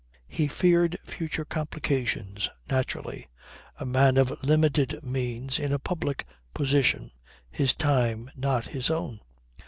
He feared future complications naturally; a man of limited means, in a public position, his time not his own.